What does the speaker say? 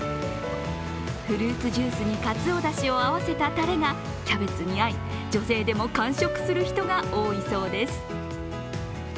フルーツジュースにかつおだしを合わせたタレがキャベツに合い、女性でも完食する人が多いそうです。